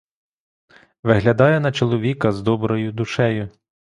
Виглядає на чоловіка з доброю душею.